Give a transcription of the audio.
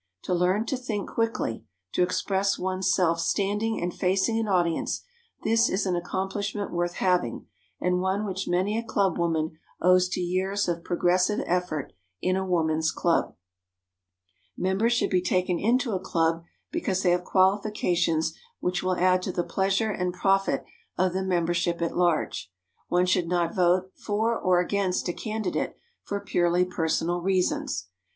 To learn to think quickly, to express one's self standing and facing an audience,—this is an accomplishment worth having, and one which many a club woman owes to years of progressive effort in a woman's club. [Sidenote: ADMITTING NEW MEMBERS] Members should be taken into a club because they have qualifications which will add to the pleasure and profit of the membership at large. One should not vote for or against a candidate for purely personal reasons.